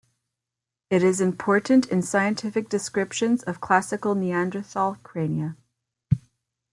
It is important in scientific descriptions of classic Neanderthal crania.